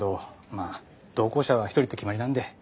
まあ同行者は１人って決まりなんで。